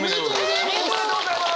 おめでとうございます！